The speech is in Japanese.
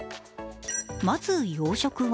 まず洋食は